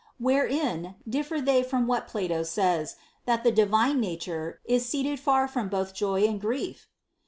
wherein differ they from what Plato says, that the divine nature is seated far from both joy and grief?